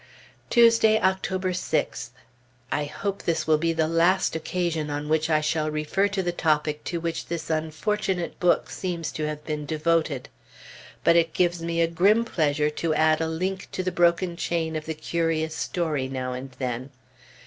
Tuesday, October 6th. I hope this will be the last occasion on which I shall refer to the topic to which this unfortunate book seems to have been devoted. But it gives me a grim pleasure to add a link to the broken chain of the curious story, now and then.